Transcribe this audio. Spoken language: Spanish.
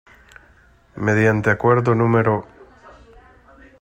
Mediante acuerdo no°.